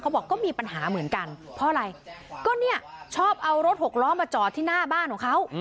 บอกก็มีปัญหาเหมือนกันเพราะอะไรก็เนี่ยชอบเอารถหกล้อมาจอดที่หน้าบ้านของเขา